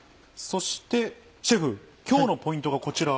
そしてシェフ今日のポイントがこちら。